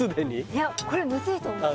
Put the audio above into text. いやこれムズいと思う